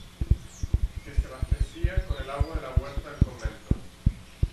Que se abastecía con el agua de la huerta del convento.